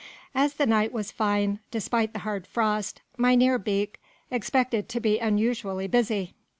As the night was fine, despite the hard frost, Mynheer Beek expected to be unusually busy.